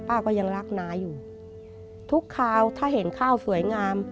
ก็ยังรักน้าอยู่ทุกคราวถ้าเห็นข้าวสวยงาม